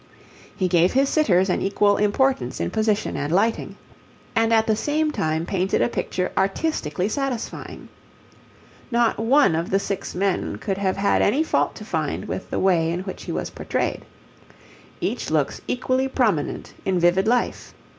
He gave his sitters an equal importance in position and lighting, and at the same time painted a picture artistically satisfying. Not one of the six men could have had any fault to find with the way in which he was portrayed. Each looks equally prominent in vivid life.